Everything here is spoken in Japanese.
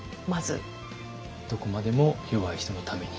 どこまでも弱い人のために。